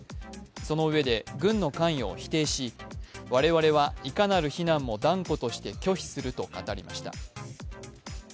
そのうえで軍の関与を否定し、我々はいかなる非難も断固として拒否すると語りました。